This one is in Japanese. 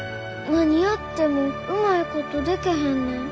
何やってもうまいことでけへんねん。